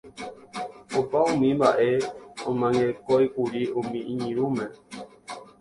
Opa umi mba'e omyangekóikuri umi iñirũme.